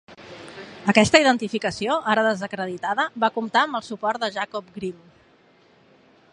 Aquesta identificació, ara desacreditada, va comptar amb el suport de Jacob Grimm.